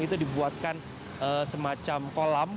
itu dibuatkan semacam kolam